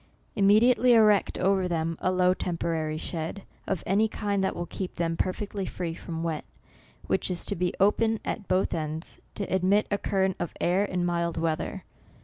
Immediately erect over them a low temporary shed, of any kind that will keep them perfectly free from wet, which is to be open at both ends, to ad mit a current of air in mild weather.